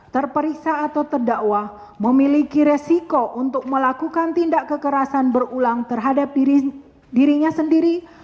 terperiksa atau terdakwa memiliki resiko untuk melakukan tindak kekerasan berulang terhadap dirinya sendiri